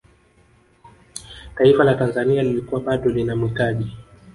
taifa la tanzania lilikuwa bado linamhitaji